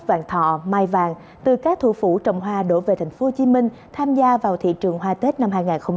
về thành phố hồ chí minh tham gia vào thị trường hoa tết năm hai nghìn hai mươi ba